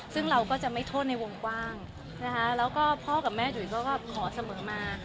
ซึ่งเราก็จะไม่โทษในวงกว้างนะคะแล้วก็พ่อกับแม่จุ๋ยเขาก็ขอเสมอมา